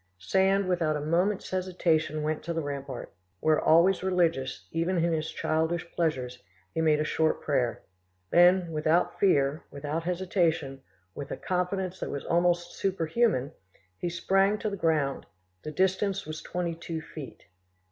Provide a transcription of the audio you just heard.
Sand without a moment's hesitation went to the rampart, where, always religious, even in his childish pleasures, he made a short prayer; then, without fear, without hesitation, with a confidence that was almost superhuman, he sprang to the ground: the distance was twenty two feet.